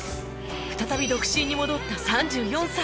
再び独身に戻った３４歳